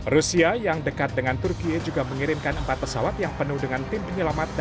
rusia yang dekat dengan turki juga mengirimkan empat pesawat yang penuh dengan tim penyelamat